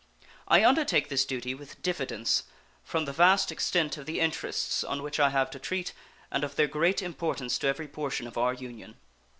I undertake this duty with diffidence, from the vast extent of the interests on which I have to treat and of their great importance to every portion of our Union.